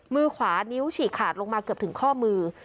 มือขวานิ้วฉีกขาดลงมาเกือบถึงข้อมือ